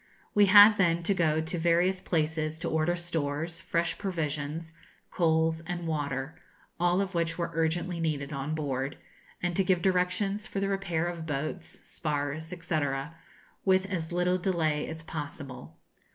We had then to go to various places to order stores, fresh provisions, coals, and water, all of which were urgently needed on board, and to give directions for the repair of boats, spars, &c., with as little delay as possible.